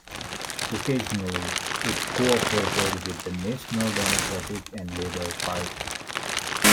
Occasionally, it co-operated with the National Democratic and Labour Party.